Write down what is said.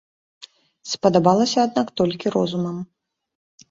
Спадабалася аднак толькі розумам.